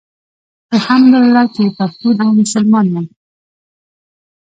الحمدالله چي پښتون او مسلمان يم